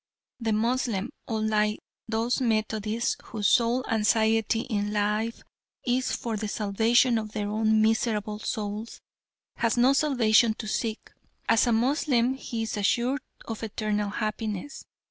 The Moslem, unlike those Methodists whose sole anxiety in life is for the salvation of their own miserable souls, has no salvation to seek. As a Moslem he is assured of eternal happiness.